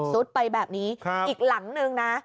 ไปแบบนี้อีกหลังนึงนะ